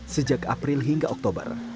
sejak april hingga oktober